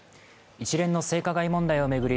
一連の性加害問題を巡り